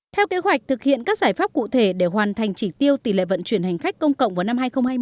theo kế hoạch thực hiện các giải pháp cụ thể để hoàn thành chỉ tiêu tỷ lệ vận chuyển hành khách công cộng vào năm hai nghìn hai mươi